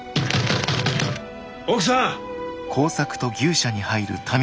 奥さん！